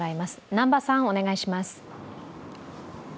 南波さん、お願いします。